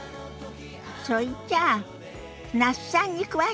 それじゃあ那須さんに詳しく聞いてみましょ。